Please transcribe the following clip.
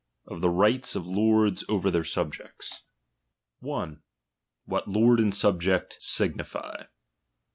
OF THE RIGHTS OF LORDS OVER THEIR SERVANTS. I. What lord and servant signify.